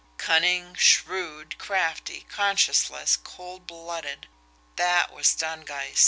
Cunning, shrewd, crafty, conscienceless, cold blooded that was Stangeist.